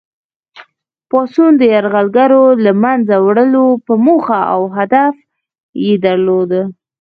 پاڅون د یرغلګرو له منځه وړلو په موخه وو او هدف یې درلود.